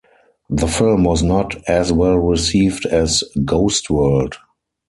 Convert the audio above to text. The film was not as well received as "Ghost World".